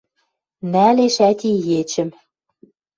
Нӓлеш ӓти ечӹм